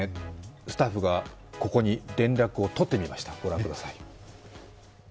スタッフがここに連絡を取ってみました、ご覧ください。